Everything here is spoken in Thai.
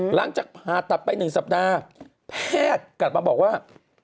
หลังจากผ่าตัดไป๑สัปดาห์แพทย์กลับมาบอกว่า